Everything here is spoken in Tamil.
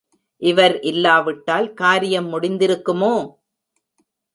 இவர் இல்லாவிட்டால் காரியம் முடிந்திருக்குமோ?